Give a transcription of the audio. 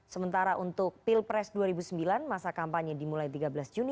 sementara untuk pilpres dua ribu sembilan masa kampanye dimulai tiga belas juni